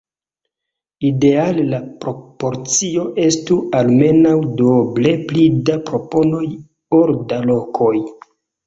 Ideale la proporcio estu almenaŭ duoble pli da proponoj ol da lokoj.